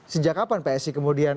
sejak kapan psi kemudian